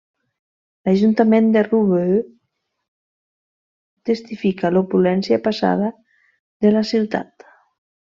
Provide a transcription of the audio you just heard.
L'ajuntament de Roubaix testifica l'opulència passada de la ciutat.